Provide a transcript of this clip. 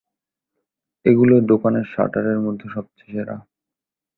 এগুলো দোকানের শাটারের মধ্যে সবচে সেরা।